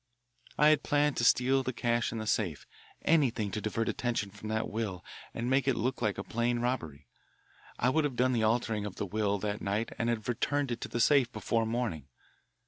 "I had planned to steal the cash in the safe, anything to divert attention from the will and make it look like a plain robbery. I would have done the altering of the will that night and have returned it to the safe before morning.